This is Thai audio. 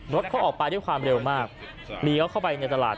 รถเขาออกไปด้วยความเร็วมากเลี้ยวเข้าไปในตลาด